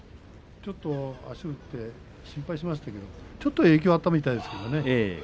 ちょっと足を打って心配をしましたが少し影響はあったみたいですけどね。